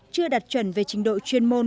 chưa đặt chuẩn về trình độ chuyên môn